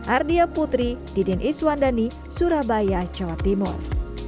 ardia putri didin iswandani surabaya jawa timur